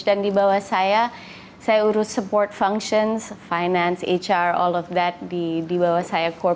dan di bawah saya saya urus support function finance hr semua itu di bawah saya